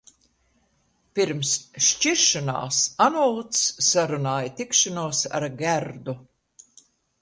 Pirms šķiršanās Anūts sarunāja tikšanos ar Gerdu.